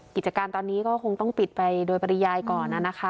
กิจการตอนนี้ก็คงต้องปิดไปโดยปริยายก่อนนะคะ